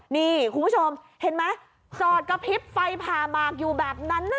นี่คุณผู้ชมเห็นไหมจอดกระพริบไฟผ่าหมากอยู่แบบนั้นน่ะ